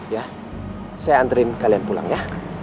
ya saya antri kalian pulang ya